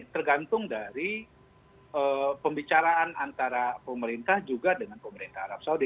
tergantung dari pembicaraan antara pemerintah juga dengan pemerintah arab saudi